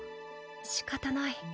しかたない。